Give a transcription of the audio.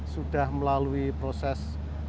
sudah melalui proses